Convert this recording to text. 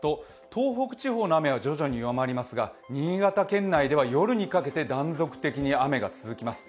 東北地方の雨は徐々に弱まりますが新潟県内では夜にかけて断続的に雨が続きます。